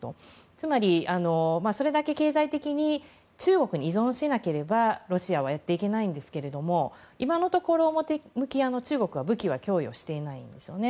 つまり、それだけ経済的に中国に依存しなければロシアはやっていけないんですけども今のところ、表向きは中国は武器は供与していないですよね。